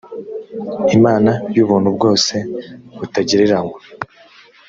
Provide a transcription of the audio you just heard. imana y ubuntu bwose butagereranywa